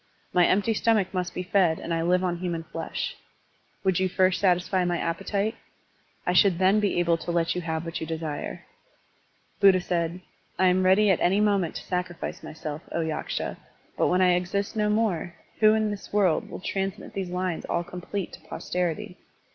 My empty stomach must be fed and I live on human flesh. Would you first satisfy my appetite? I should then be able to let you have what you desire." Buddha said: "I am ready at any moment to sacrifice myself, O Yaksha, but when I exist no more, who in this world will transmit these Digitized by Google 192 SERMONS OF A BUDDHIST ABBOT lines all complete to posterity?